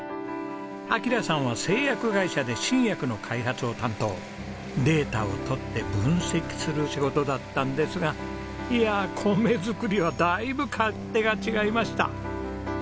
暁良さんは製薬会社で新薬の開発を担当データをとって分析する仕事だったんですがいやあ米作りはだいぶ勝手が違いました。